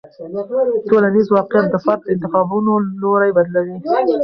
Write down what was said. ټولنیز واقیعت د فرد د انتخابونو لوری بدلوي.